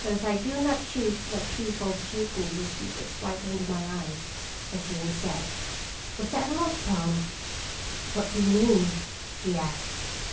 But as I do not choose to let people dupe me with secrets right under my eyes, I soon said: " Was that a love poem ?"" What do you mean ?" he asked.